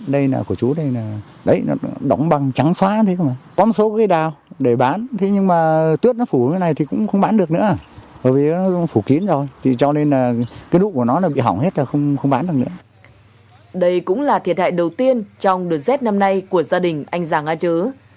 đây cũng thiệt hại đầu tiên trong đợt rét năm nay của gia đình anh giàng a chớ